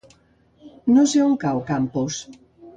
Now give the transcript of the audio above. No sé on cau Campos.